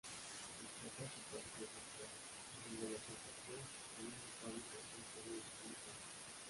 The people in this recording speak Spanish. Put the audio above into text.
Destaca su patio central, el de la Concepción, con un notable conjunto de panteones.